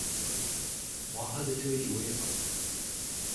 moarvat e teuy diwezhatoc'h.